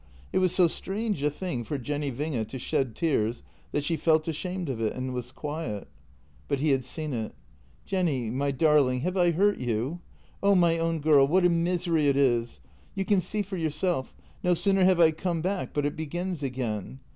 It was so strange a thing for Jenny Winge to shed tears that she felt ashamed of it, and was quiet. But he had seen it: " Jenny, my darling, have I hurt you? Oh, my own girl — what a misery it is! You can see for yourself — no sooner have I come back, but it begins again."